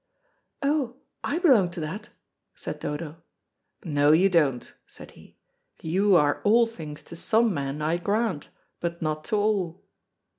"Oh, I belong to that," said Dodo. "No, you don't," said he. "You are all things to some men, I grant, but not to all."